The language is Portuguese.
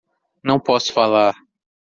Não posso falar